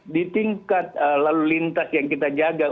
di tingkat lalu lintas yang kita jaga